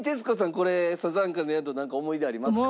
これ『さざんかの宿』なんか思い出ありますか？